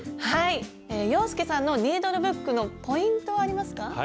はい洋輔さんのニードルブックのポイントはありますか？